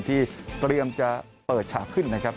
ที่เตรียมจะเปิดฉากขึ้นนะครับ